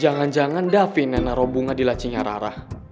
jangan jangan davin yang naro bunga di lacinya rara